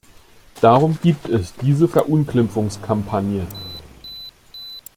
Darum gibt es diese Verunglimpfungskampagne.